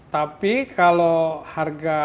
tapi kalau harga